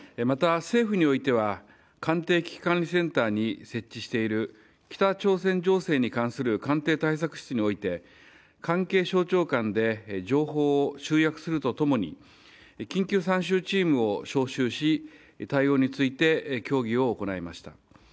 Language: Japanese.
また、政府においては、官邸危機管理センターに設置している北朝鮮情勢に関する官邸対策室において関係省庁間で情報を集約するとともに緊急参集チームを招集し対応について協議を行いました。